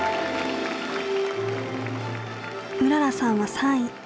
うららさんは３位。